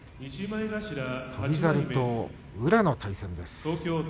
翔猿と宇良の対戦です。